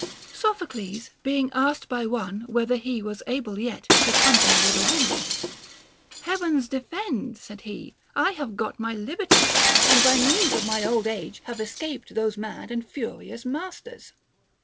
Sophocles being asked by one whether he was able yet to company with a woman ; Heavens defend, said he, I have got my liberty, and by means of my old age have escaped those mad and furious masters.